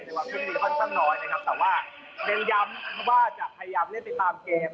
ในวันพรุ่งนี้ค่อนข้างน้อยนะครับแต่ว่าเด้นย้ำว่าจะพยายามเรียนติดตามเกม